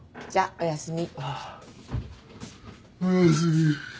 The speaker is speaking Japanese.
おやすみ。